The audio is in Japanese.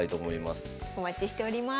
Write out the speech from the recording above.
お待ちしております。